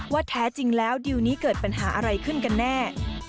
แท้จริงแล้วดิวนี้เกิดปัญหาอะไรขึ้นกันแน่